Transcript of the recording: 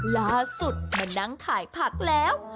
ล่าสุดมานั่งขายผักแล้ว